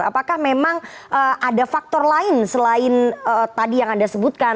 apakah memang ada faktor lain selain tadi yang anda sebutkan